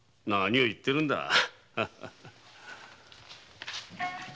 何を言ってるんだ。